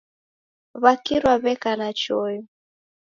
W'akirwa w'eka na choyo .